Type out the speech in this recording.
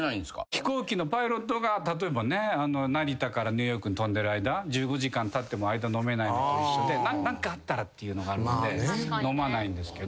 飛行機のパイロットが例えば成田からニューヨークに飛んでる間１５時間たっても間飲めないのと一緒で何かあったらっていうのがあるので飲まないんですけど。